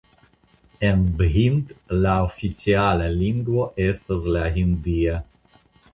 En Bhind la oficiala lingvo estas la hindia.